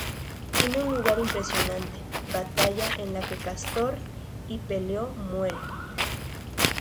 Tiene lugar una impresionante batalla en la que Castor y Peleo mueren.